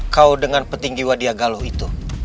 kau dengan petinggi wadia galuh itu